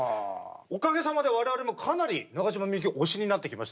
おかげさまで我々もかなり中島みゆき推しになってきましたけど。